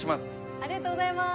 ありがとうございます。